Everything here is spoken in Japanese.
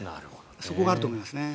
そこがあると思いますね。